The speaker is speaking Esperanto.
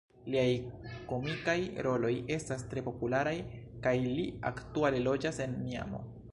Liaj komikaj roloj estas tre popularaj, kaj li aktuale loĝas en Miamo.